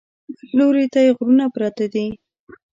بل لوري ته یې غرونه پراته دي.